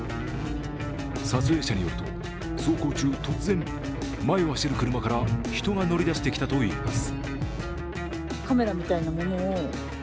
撮影者によると、走行中突然、前を走る車から人が乗り出してきたといいます。